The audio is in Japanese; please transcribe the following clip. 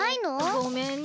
ごめんね。